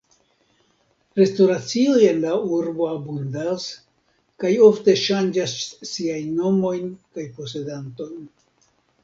Restoracioj en la urbo abundas kaj ofte ŝanĝas siajn nomojn kaj posedantojn.